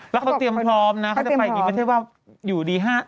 แล้วเขาเตรียมพร้อมนะเขาจะไปอย่างนี้ไม่ใช่ว่าอยู่ดี๕